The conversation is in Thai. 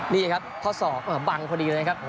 นี่นะครับเพราะสอกบังพอดีเลยนะครับ